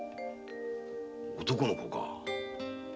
男の子か。